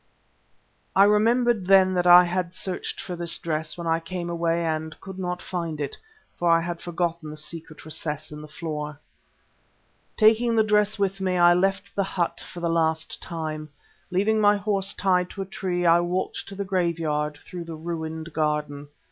I remembered then that I had searched for this dress when I came away and could not find it, for I had forgotten the secret recess in the floor. Taking the dress with me, I left the hut for the last time. Leaving my horse tied to a tree, I walked to the graveyard, through the ruined garden.